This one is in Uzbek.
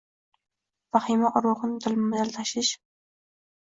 Vahima urug’in dilma-dil tashish.